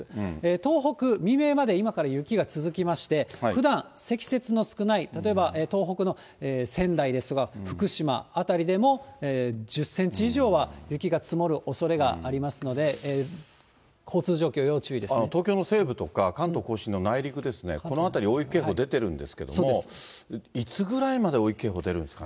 東北、未明まで今から雪が続きまして、ふだん積雪の少ない、例えば東北の仙台ですとか福島辺りでも、１０センチ以上は雪が積もるおそれがありますので、東京の西部とか、関東甲信の内陸ですね、この辺り、大雪警報出てるんですけれども、いつぐらいまで大雪警報出るんですかね。